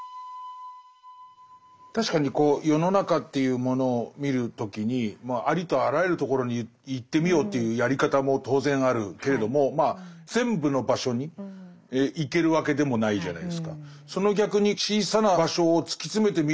確かにこう世の中というものを見る時にありとあらゆるところに行ってみよというやり方も当然あるけれども全部の場所に行けるわけでもないじゃないですか。